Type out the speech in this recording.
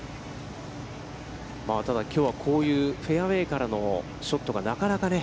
ただ、きょうは、こういうフェアウェイからのショットがなかなかね。